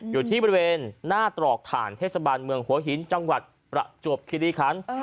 อยู่ที่บริเวณนาตรอกฐานเทสบัญในเมืองโหโหหินจังหวัดประจบคิลิฮัน